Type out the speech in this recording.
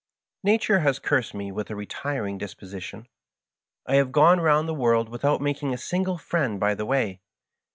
Natube has cursed me with a retiring disposition. I have gone ronnd the world without making a single friend by the way.